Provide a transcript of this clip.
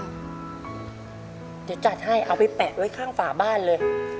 เดี๋ยวจัดให้เอาไปแปะไว้ข้างฝาบ้านเลย